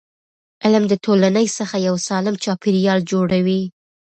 علم د ټولنې څخه یو سالم چاپېریال جوړوي.